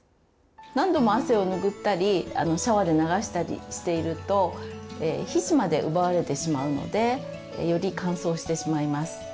何度も汗を拭ったりシャワーで流したりしていると皮脂まで奪われてしまうのでより乾燥してしまいます。